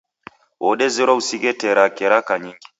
Wodezerwa usighe tee rake raka nyingi.